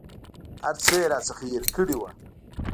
هر څه یې راڅخه هېر کړي وه.